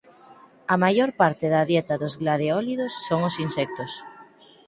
A maior parte da dieta dos glareólidos son os insectos.